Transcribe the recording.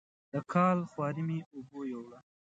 د کال خواري مې اوبو یووړه.